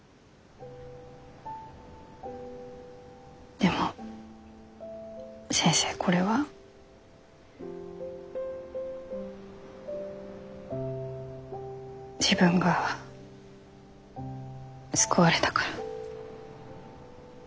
でも先生これは。自分が救われたから？